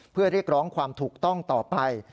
เพื่อเรียกร้องความถูกต้องต่อไป